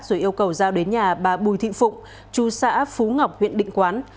rồi yêu cầu giao đến nhà bà bùi thị phụng chú xã phú ngọc huyện định quán